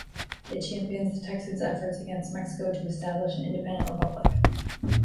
It champions the Texans' efforts against Mexico to establish an independent republic.